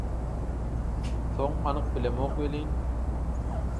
Soň anyk bilemok welin